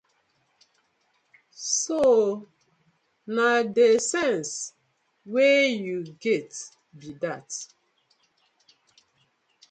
So na dey sence wey yu get bi dat.